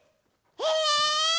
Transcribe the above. え！？